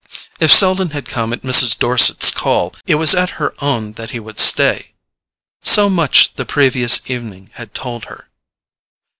If Selden had come at Mrs. Dorset's call, it was at her own that he would stay. So much the previous evening had told her.